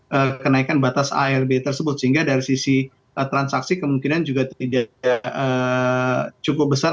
ada kenaikan batas arb tersebut sehingga dari sisi transaksi kemungkinan juga tidak cukup besar